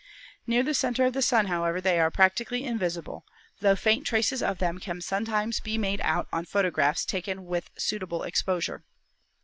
Near the center of the Sun, however, they are practically invisible, tho faint traces of them can sometimes be made out on photographs taken with a suit able exposure.